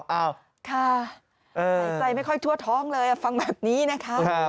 ค่ะหายใจไม่ค่อยทั่วท้องเลยฟังแบบนี้นะคะ